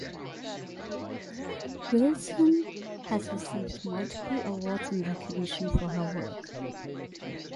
Wilson has received multiple awards and recognition for her work.